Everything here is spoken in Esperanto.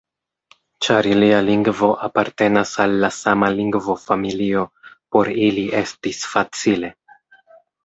Ĉar ilia lingvo apartenas al la sama lingvofamilio, por ili estis facile.